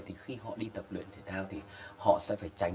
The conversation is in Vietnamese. thì khi họ đi tập luyện thể thao thì họ sẽ phải tránh